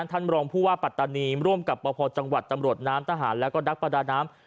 ท่านรองผู้ว่าปัตตานีร่วมกับประพอจังหวัดตำรวจน้ำทหารแล้วก็นักประดาน้ำ